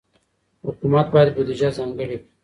حکومت باید بودجه ځانګړې کړي.